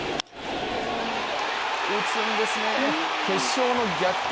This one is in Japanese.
打つんですね、決勝の逆転